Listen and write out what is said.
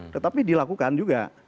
tetapi dilakukan juga